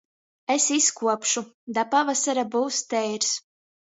Es izkopuošu, da pavasara byus teirs.